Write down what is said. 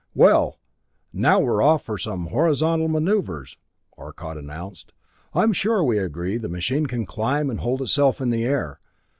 "Well, now we're off for some horizontal maneuvers," Arcot announced. "I'm sure we agree the machine can climb and can hold itself in the air.